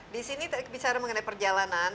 di sini bicara mengenai perjalanan